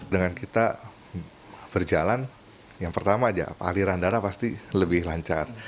dengan kita berjalan yang pertama aja aliran darah pasti lebih lancar